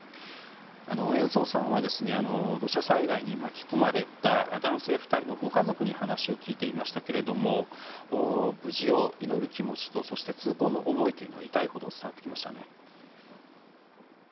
延増さんは土砂災害に巻き込まれた男性２人のご家族に話を聞いていましたが無事を祈る気持ちとそして痛恨の思いというのは痛いほど伝わってきました。